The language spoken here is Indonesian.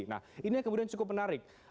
nah ini yang kemudian cukup menarik